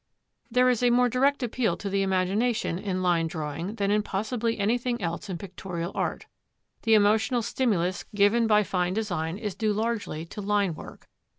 There is a more direct appeal to the imagination in line drawing than in possibly anything else in pictorial art. The emotional stimulus given by fine design is due largely to line work.